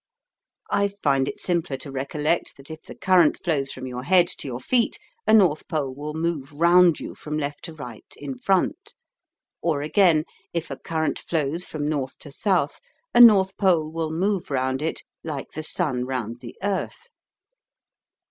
I find it simpler to recollect that if the current flows from your head to your feet a north pole will move round you from left to right in front. Or, again, if a current flows from north to south, a north pole will move round it like the sun round the earth.